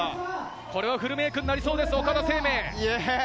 フルメイクになりそうです、岡田清明。